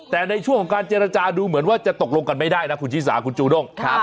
แต่ในช่วงของการเจรจาดูเหมือนว่าจะตกลงกันไม่ได้นะคุณชิสาคุณจูด้ง